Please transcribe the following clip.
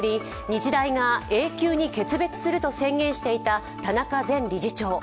日大が永久に決別すると宣言していた田中前理事長。